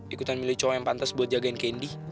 ikutan milih cowok yang pantas buat jagain kendi